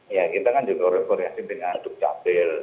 ya kita kan juga rekorasi dengan duk jabel